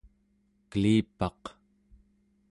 kelipaq